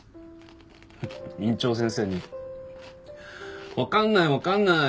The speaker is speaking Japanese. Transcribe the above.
院長先生に「わかんないわかんない！